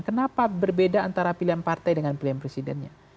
kenapa berbeda antara pilihan partai dengan pilihan presidennya